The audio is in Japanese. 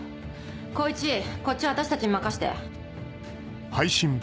耕一こっちは私たちに任せて。